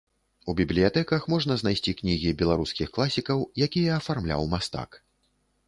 У бібліятэках можна знайсці кнігі беларускіх класікаў, якія афармляў мастак.